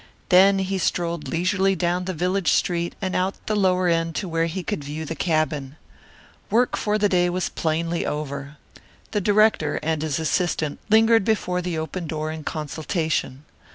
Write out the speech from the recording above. Then he strolled leisurely down the village street and out the lower end to where he could view the cabin. Work for the day was plainly over. The director and his assistant lingered before the open door in consultation.